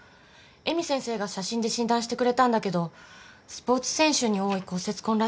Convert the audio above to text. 絵美先生が写真で診断してくれたんだけどスポーツ選手に多い骨折痕らしくて。